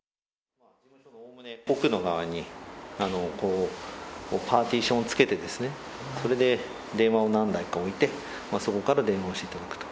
奥の側にパーティションをつけて、それで電話を何台か置いて、そこから電話をしていただくと。